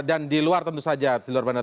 dan di luar tentu saja di luar bandara